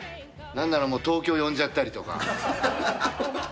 なんならもう東京呼んじゃったりとか。